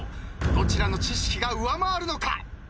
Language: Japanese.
どちらの知識が上回るのか？